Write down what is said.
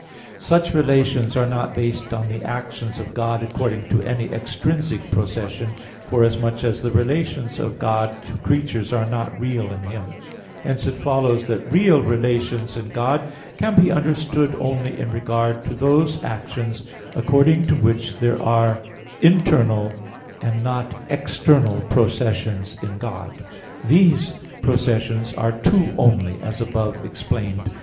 Such relations are not based on the actions of God according to any extrinsic procession, forasmuch as the relations of God to creatures are not real in Him (Q. 13, A. 7). Hence, it follows that real relations in God can be understood only in regard to those actions according to which there are internal, and not external, processions in God. These processions are two only, as above explained (Q.